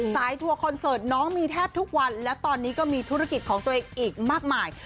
ทัวร์คอนเสิร์ตน้องมีแทบทุกวันและตอนนี้ก็มีธุรกิจของตัวเองอีกมากมาย